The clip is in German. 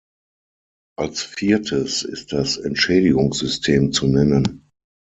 Als Viertes ist das Entschädigungssystem zu nennen.